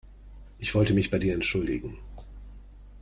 Ich wollte mich bei dir entschuldigen.